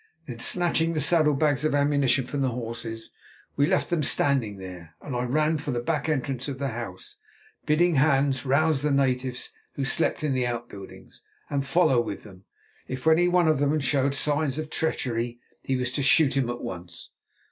Then, snatching the saddle bags of ammunition from the horses, we left them standing there, and I ran for the back entrance of the house, bidding Hans rouse the natives, who slept in the outbuildings, and follow with them. If any one of them showed signs of treachery he was to shoot him at once.